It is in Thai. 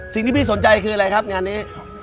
สิ่งที่พี่สนใจคืออะไรครับงานนี้